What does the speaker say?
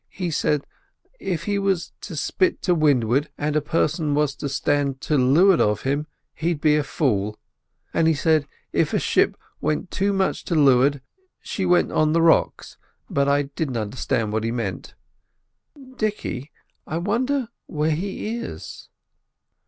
He said if he was to spit to windward and a person was to stand to loo'ard of him, he'd be a fool; and he said if a ship went too much to loo'ard she went on the rocks, but I didn't understand what he meant. Dicky, I wonder where he is?"